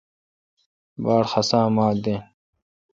باڑ خسا اے ماک دین۔